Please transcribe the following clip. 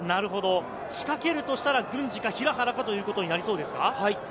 仕掛けるとしたら郡司か平原かということになりそうですか？